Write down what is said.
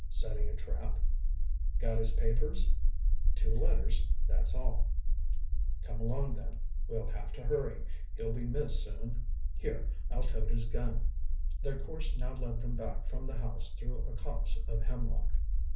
"Setting a trap. Got his papers?" "Two letters, that's all." "Come along, then. We'll have to hurry. He'll be missed soon. Here, I'll tote his gun." Their course now led them back from the house through a copse of hemlock.